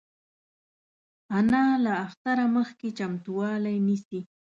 انا له اختره مخکې چمتووالی نیسي